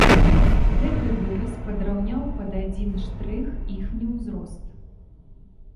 Гэты выраз падраўняў пад адзін штрых іхні ўзрост.